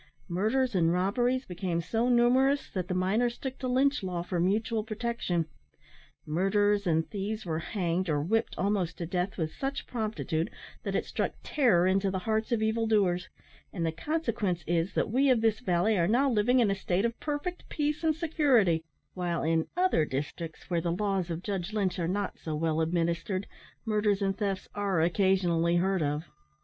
Murders and robberies became so numerous, that the miners took to Lynch law for mutual protection. Murderers and thieves were hanged, or whipped almost to death, with such promptitude, that it struck terror into the hearts of evil doers; and the consequence is, that we of this valley are now living in a state of perfect peace and security, while in other districts, where the laws of Judge Lynch are not so well administered, murders and thefts are occasionally heard of.